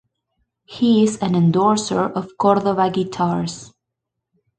He is an endorser of Cordoba guitars.